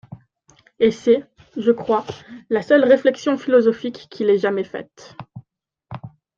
Et c'est, je crois, la seule réflexion philosophique qu'il ait jamais faite.